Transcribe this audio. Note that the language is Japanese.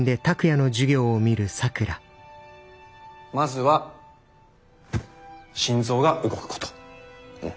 まずは心臓が動くこと。